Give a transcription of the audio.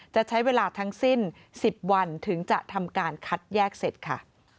จะใช้เวลาทั้งสิ้น๑๐วันถึงจะทำการคัดแยกเสร็จค่ะ